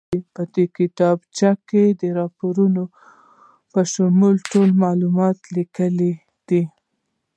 په دې کتابچه کې د پورونو په شمول ټول معلومات لیکل کېدل.